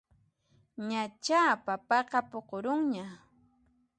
Ñachá papaqa puqurunña